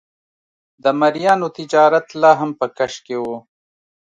د مریانو تجارت لا هم په کش کې و.